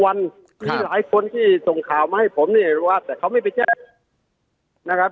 มีหลายคนที่ส่งข่าวมาให้ผมเนี่ยรู้ว่าแต่เขาไม่ไปแจ้งนะครับ